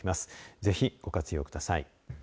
ぜひ、ご活用ください。